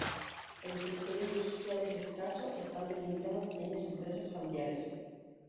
El sector industrial es escaso, estando limitado a pequeñas empresas familiares.